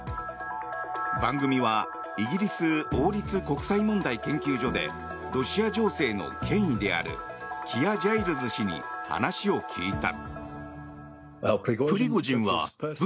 番組はイギリス王立国際問題研究所でロシア情勢の権威であるキア・ジャイルズ氏に話を聞いた。